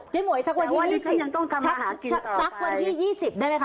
เจ๊หมวยสักวันที่ยี่สิบแต่ว่าดิฉันยังต้องทำอาหารกินต่อไปสักวันที่ยี่สิบได้ไหมคะ